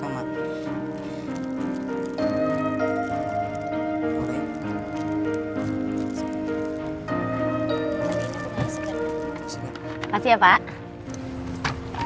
makasih ya pak